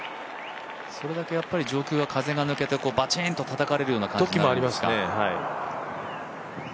それだけ上空は風が抜けてバチンとたたかれることがありますか。